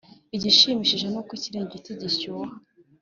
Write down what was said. Igishimishije ni uko ikiringiti gishyuha.